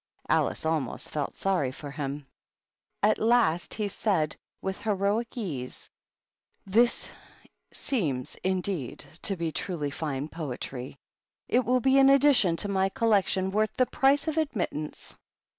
Alice almost felt sorry for him. 166 THE BISHOPS. At last he said, with heroic ease, " This seems, indeed, to be truly fine poetry. It will be an addition to my collection worth the price of ad mittance."